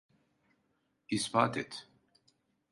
İspat et.